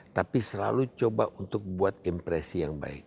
tapi selalu coba untuk buat impresi yang baik